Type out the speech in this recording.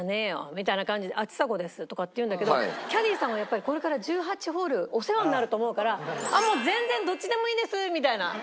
みたいな感じで「あっちさ子です」とかって言うんだけどキャディさんこれから１８ホールお世話になると思うから「全然どっちでもいいです」みたいな。